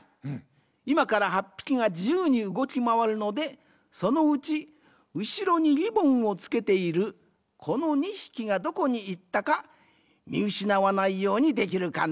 いまから８ぴきがじゆうにうごきまわるのでそのうちうしろにリボンをつけているこの２ひきがどこにいったかみうしなわないようにできるかな？